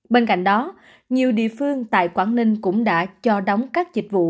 bên cạnh đó nhiều địa phương tại quảng ninh cũng đã cho đóng các dịch vụ